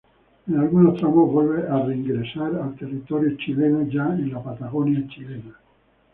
En algunos tramos vuelve a reingresar al territorio chileno ya en la Patagonia chilena.